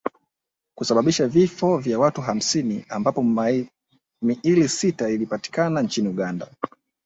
kusababisha vifo vya watu hamsini ambapo miili sita ilipatikana nchini Uganda